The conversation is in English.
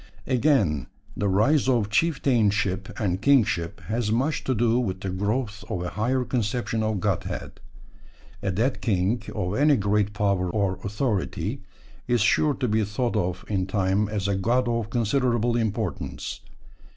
Again, the rise of chieftainship and kingship has much to do with the growth of a higher conception of godhead; a dead king of any great power or authority is sure to be thought of in time as a god of considerable importance.